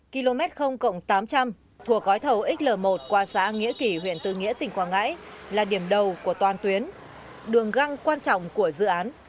km tám trăm linh thuộc gói thầu xl một qua xã nghĩa kỷ huyện tư nghĩa tỉnh quảng ngãi là điểm đầu của toàn tuyến đường găng quan trọng của dự án